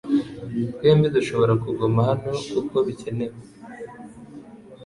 Twembi dushobora kuguma hano kuko bikenewe